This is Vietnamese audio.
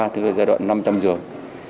tức là giai đoạn năm trăm linh giường